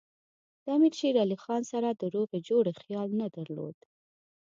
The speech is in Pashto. د امیر شېر علي خان سره د روغې جوړې خیال نه درلود.